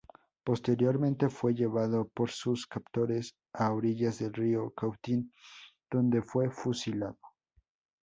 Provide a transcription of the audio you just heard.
Posteriormente, fue llevado por sus captores a orillas del río Cautín donde fue "fusilado".